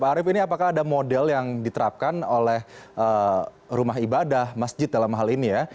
pak arief ini apakah ada model yang diterapkan oleh rumah ibadah masjid dalam hal ini ya